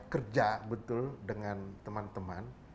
kerja betul dengan teman teman